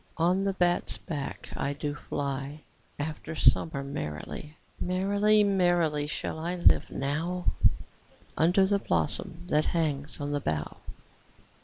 On the bat's back I do fly After summer merrily: 5 Merrily, merrily, shall I live now, Under the blossom that hangs on the bough.